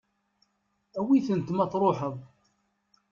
Awi-tent ma tṛuḥeḍ.